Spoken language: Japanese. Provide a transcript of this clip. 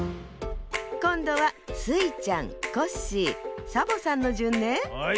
こんどはスイちゃんコッシーサボさんのじゅんね。